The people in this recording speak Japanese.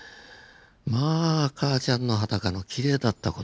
まあ母ちゃんの裸のきれいだった事。